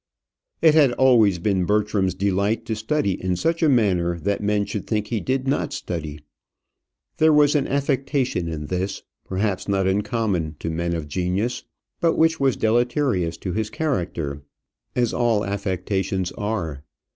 It had always been Bertram's delight to study in such a manner that men should think he did not study. There was an affectation in this, perhaps not uncommon to men of genius, but which was deleterious to his character as all affectations are.